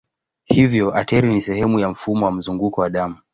Hivyo ateri ni sehemu ya mfumo wa mzunguko wa damu.